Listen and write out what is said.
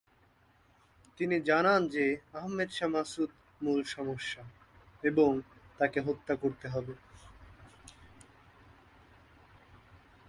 তিনি জানান যে আহমেদ শাহ মাসুদ মূল সমস্যা এবং তাকে হত্যা করতে হবে।